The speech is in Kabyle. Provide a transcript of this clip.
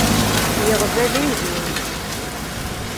Yeɣba dindin.